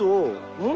うん？